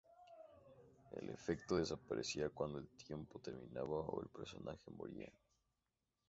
El efecto desaparecía cuando el tiempo terminaba o el personaje moría.